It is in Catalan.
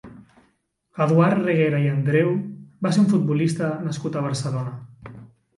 Eduard Reguera i Andreu va ser un futbolista nascut a Barcelona.